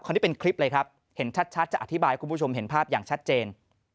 อันนี้เป็นคลิปเลยครับเห็นชัดจะอธิบายให้คุณผู้ชมเห็นภาพอย่างชัดเจน